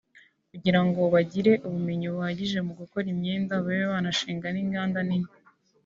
kugira ngo bagire ubumenyi buhagije mu gukora imyenda babe banashinga n’inganda nini